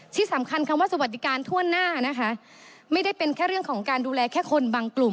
ที่สำคัญคำว่าสวัสดิการทั่วหน้านะคะไม่ได้เป็นแค่เรื่องของการดูแลแค่คนบางกลุ่ม